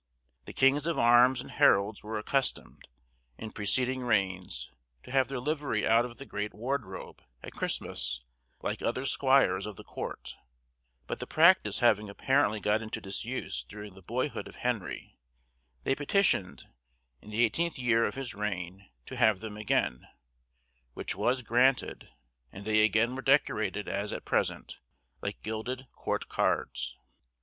The kings of arms and heralds were accustomed, in preceding reigns, to have their livery out of the great wardrobe, at Christmas, like other squires of the court; but the practice having apparently got into disuse during the boyhood of Henry, they petitioned, in the eighteenth year of his reign, to have them again, which was granted, and they again were decorated as at present, like gilded court cards.